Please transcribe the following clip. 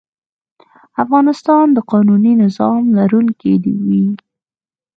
افغانستان د قانوني نظام لرونکی وي.